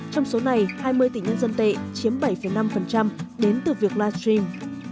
trong số này hai mươi tỷ nhân dân tệ chiếm bảy năm đến từ việc livestream